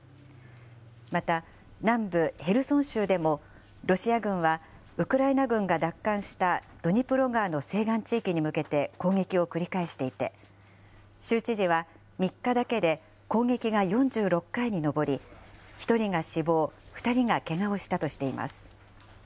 また南部ヘルソン州でも、ロシア軍はウクライナ軍が奪還したドニプロ川の西岸地域に向けて攻撃を繰り返していて、州知事は、３日だけで攻撃が４６回に上り、１人が死亡、２人がけがをしたとしています。